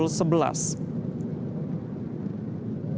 dan akan ada perubahan dan perubahan berikutnya